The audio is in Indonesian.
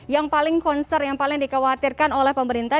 yang paling concern yang paling dikhawatirkan oleh pemerintah